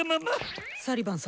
サリバン様